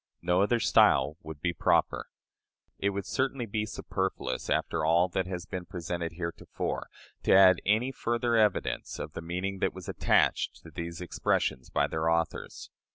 No other style would be proper." It would certainly be superfluous, after all that has been presented heretofore, to add any further evidence of the meaning that was attached to these expressions by their authors.